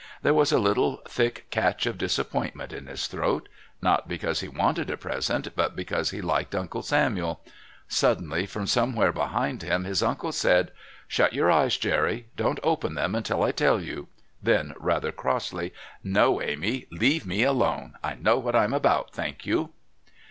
There was a little thick catch of disappointment in his throat, not because he wanted a present, but because he liked Uncle Samuel. Suddenly, from somewhere behind him his uncle said: "Shut your eyes, Jerry. Don't open them until I tell you" then rather crossly, "No, Amy, leave me alone. I know what I'm about, thank you."